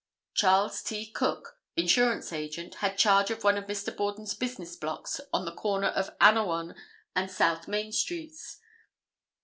Charles T. Cook, insurance agent, had charge of one of Mr. Borden's business blocks on the corner of Anawan and South Main streets.